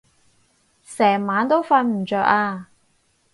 成晚都瞓唔著啊